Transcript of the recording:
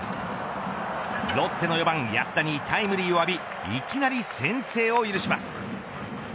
ロッテの４番、安田にタイムリーを浴びいきなり先制を許します。